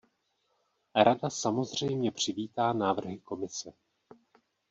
Rada samozřejmě přivítá návrhy Komise.